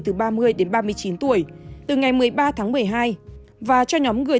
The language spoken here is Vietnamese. từ ba mươi đến ba mươi chín tuổi từ ngày một mươi ba tháng một mươi hai và cho nhóm người